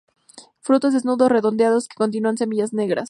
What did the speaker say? Frutos desnudos redondeados, que contienen semillas negras.